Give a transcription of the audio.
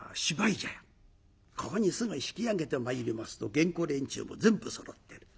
ここにすぐ引き揚げてまいりますと芸子連中も全部そろってる。